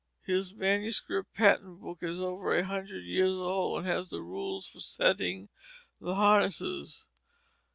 His manuscript pattern book is over a hundred years old, and has the rules for setting the harnesses.